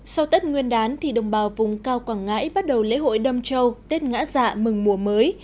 sau tết nguyên đán thì đồng bào vùng cao quảng ngãi bắt đầu lễ hội đâm châu tết ngã dạ mừng mùa mới